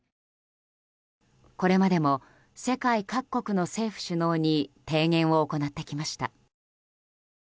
これまでも世界各国の政府首脳に提言を行ってきました。